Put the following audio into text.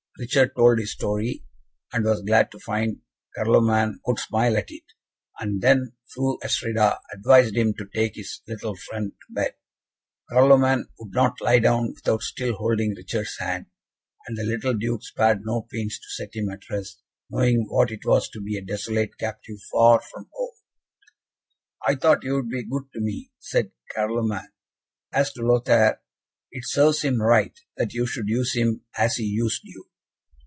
Richard told his story, and was glad to find Carloman could smile at it; and then Fru Astrida advised him to take his little friend to bed. Carloman would not lie down without still holding Richard's hand, and the little Duke spared no pains to set him at rest, knowing what it was to be a desolate captive far from home. "I thought you would be good to me," said Carloman. "As to Lothaire, it serves him right, that you should use him as he used you."